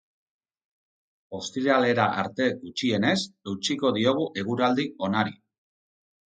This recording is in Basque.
Ostiralera arte, gutxienez, eutsiko diogu eguraldi onari.